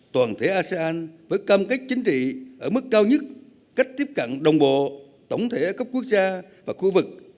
toàn thể asean với cam kết chính trị ở mức cao nhất cách tiếp cận đồng bộ tổng thể cấp quốc gia và khu vực